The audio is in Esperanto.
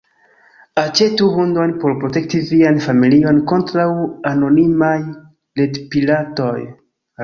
Aĉetu hundon por protekti vian familion kontraŭ anonimaj retpiratoj.